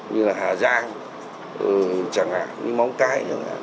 như là hà giang chẳng hạn như móng cái chẳng hạn